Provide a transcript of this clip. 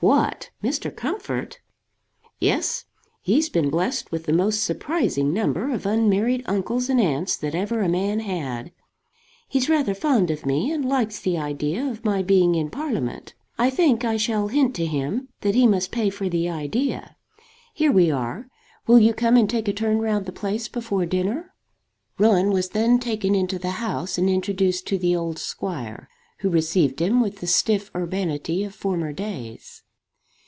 "What! Mr. Comfort?" "Yes. He's been blessed with the most surprising number of unmarried uncles and aunts that ever a man had. He's rather fond of me, and likes the idea of my being in Parliament. I think I shall hint to him that he must pay for the idea. Here we are. Will you come and take a turn round the place before dinner?" Rowan was then taken into the house and introduced to the old squire, who received him with the stiff urbanity of former days.